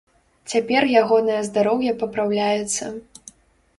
Цяпер ягонае здароўе папраўляецца.